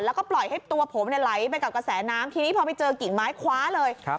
แล้วก็ปล่อยให้ตัวผมไหลไปกับกระแสน้ำทีนี้พอไปเจอกิ่งไม้คว้าเลย